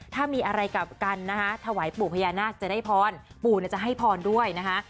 ถ้ามีอะไรกับกันนะคะถวายปู่พญานาคจะได้พรปู่จะให้พรด้วยนะคะ